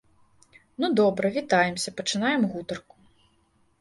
Ну добра, вітаемся, пачынаем гутарку.